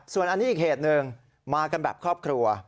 ส่วนอันนี้อีกเหตุหนึ่งมากันแบบครอบครัว